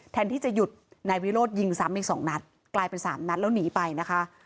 แทนที่จะหยุดนายวิโรธยิงซ้ำอีกสองนัดกลายเป็นสามนัดแล้วหนีไปนะคะ